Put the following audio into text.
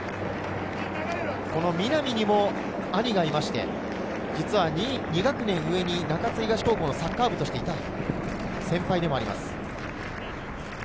南にも兄がいまして、２学年上に中津東高校のサッカー部としていた先輩でもあります。